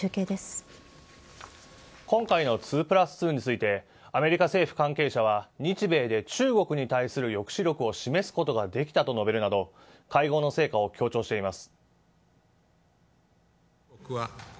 今回の２プラス２についてアメリカ政府関係者は日米で中国に対する抑止力を示すことができたと述べるなど会合の成果を強調しています。